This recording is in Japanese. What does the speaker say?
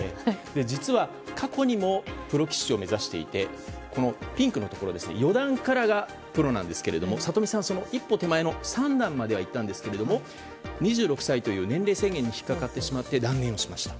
実は、過去にもプロ棋士を目指していて四段からがプロなんですが里見さんは一歩手前の三段まではいったんですがいったんですけども２６歳という年齢制限に引っかかってしまって断念しました。